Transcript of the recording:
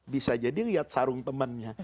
bisa jadi lihat sarung temannya